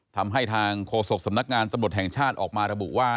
ทำให้ทางโฆษกสำนักงานตำรวจแห่งชาติออกมาระบุว่า